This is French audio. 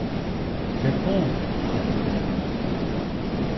Quelle honte ! cria-t-il.